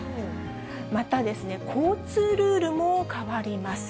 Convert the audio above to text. また、交通ルールも変わります。